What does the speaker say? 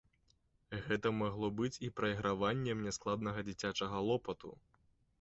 Гэта магло быць і прайграваннем няскладнага дзіцячага лопату.